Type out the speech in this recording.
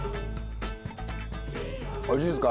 おいしいですか？